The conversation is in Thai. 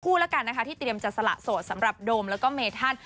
ละกันนะคะที่เตรียมจะสละโสดสำหรับโดมแล้วก็เมธัน